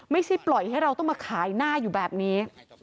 ไม่ใช่ปล่อยให้เราต้องมาขายหน้าอยู่แบบนี้